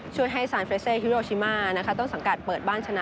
ช่วยให้ซานเฟรเซฮิโรชิมานะคะต้นสังกัดเปิดบ้านชนะ